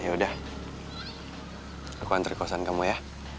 yaudah aku antri kosan kamu ya